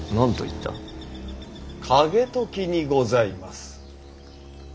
景時にございます。